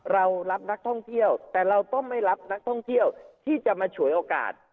เรารับนักท่องเที่ยวแต่เราต้องไม่รับนักท่องเที่ยวที่จะมาฉวยโอกาส